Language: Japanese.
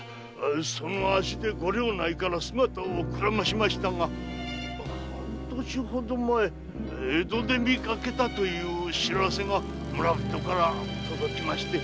その足でご領内から姿をくらましましたが半年前江戸で見かけたという報せが村人から届きまして。